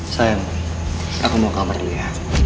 saya aku mau kamar dia